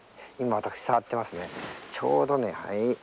私、触ってますね。